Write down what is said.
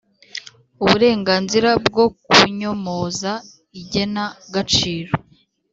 uburenganzira bwo kunyomoza igena gaciro